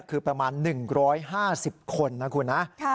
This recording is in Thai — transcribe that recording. คือประมาณ๑๕๐คนนะคุณนะ